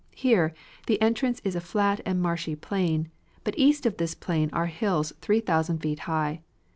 Here, the entrance is a flat and marshy plain, but east of this plain are hills three thousand feet high.